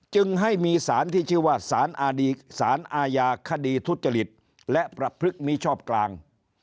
จึงให้มีสารที่ชื่อว่าสารอาญาคดีทุจริตและประพฤติมิชอบกลาง